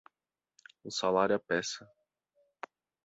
O salário à peça